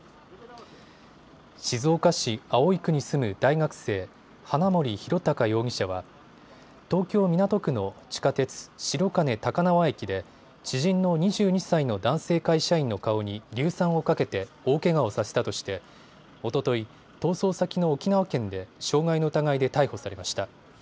静岡市葵区に住む大学生、花森弘卓容疑者は東京港区の地下鉄白金高輪駅で知人の２２歳の男性会社員の顔に硫酸をかけて大けがをさせたとしておととい、逃走先の沖縄県で傷害の疑いで逮捕されました。